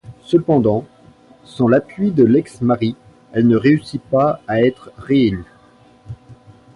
Cependant, sans l’appui de l’ex-mari, elle ne réussit pas à être réélue.